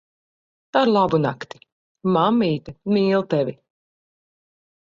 Arlabunakti. Mammīte mīl tevi.